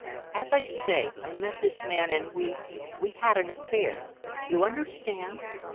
"As I say, I met this man and we we had an affair. You understand?